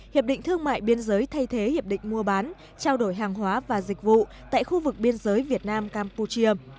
hiệp định thương mại biên giới thay thế hiệp định mua bán trao đổi hàng hóa và dịch vụ tại khu vực biên giới việt nam campuchia